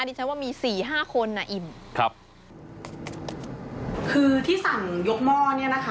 ดิฉันว่ามีสี่ห้าคนอ่ะอิ่มครับคือที่สั่งยกหม้อเนี้ยนะคะ